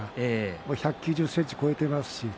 １９０ｃｍ超えていますからね。